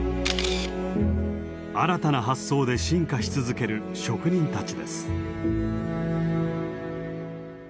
新たな発想で進化し続ける職人たちです。